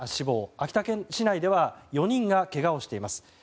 秋田市内では４人がけがをしています。